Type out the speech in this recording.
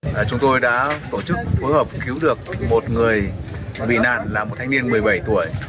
và chúng tôi đã tổ chức phối hợp cứu được một người bị nạn là một thanh niên một mươi bảy tuổi